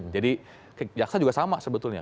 jadi jaksa juga sama sebetulnya